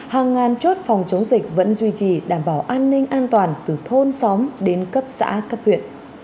hàng ngàn chốt phòng chống dịch vẫn duy trì đảm bảo an ninh an toàn từ thôn xóm đến cấp xã cấp huyện